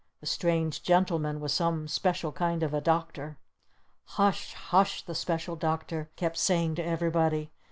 The strange gentleman was some special kind of a doctor. "Hush Hush!" the Special Doctor kept saying to everybody.